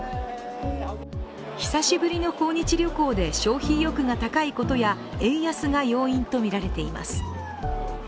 久しぶりの訪日旅行で消費意欲が高いことや円安が要因とみられています。